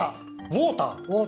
ウォーター！